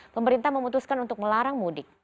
pemerintah memutuskan untuk melarang mudik